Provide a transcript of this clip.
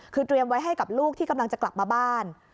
คือเตรียมไว้ให้กับลูกที่กำลังจะกลับมาบ้าน